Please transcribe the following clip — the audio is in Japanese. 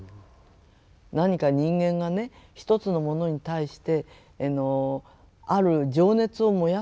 何か人間がね一つのものに対してある情熱を燃やすことですよ。